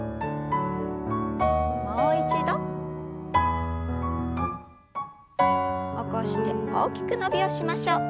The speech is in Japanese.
もう一度。起こして大きく伸びをしましょう。